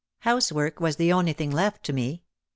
Housework was the only thing left to me.